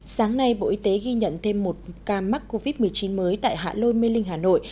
sáng nay bộ y tế ghi nhận thêm một ca mắc covid một mươi chín mới tại hạ lôi mê linh hà nội